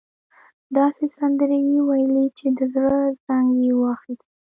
داسې سندرې يې وويلې چې د زړه زنګ يې واخيست.